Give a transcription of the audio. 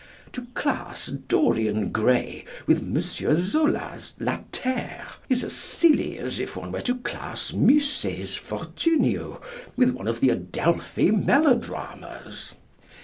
To class "Dorian Gray" with M. Zola's La Terre is as silly as if one were to class Masset's Fortunio with one of the Adelphi melodramas.